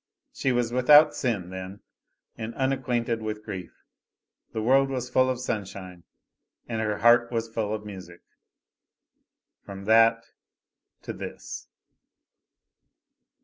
She was without sin, then, and unacquainted with grief; the world was full of sunshine and her heart was full of music. From that to this!